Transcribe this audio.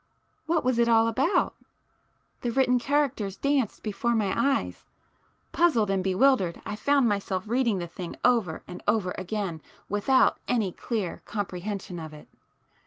What was it all about? The written characters danced before my eyes,—puzzled and bewildered, I found myself reading the thing over and over again without any clear comprehension of it.